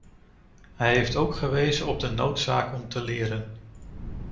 Hij heeft ook gewezen op de noodzaak om te leren.